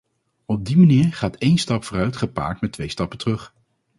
Op die manier gaat één stap vooruit gepaard met twee stappen terug.